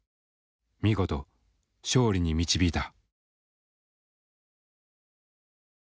見事勝利に導いた。